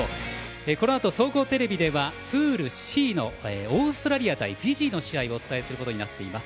このあと、総合テレビではプールＣのオーストラリア対フィジーの試合をお伝えすることになっています。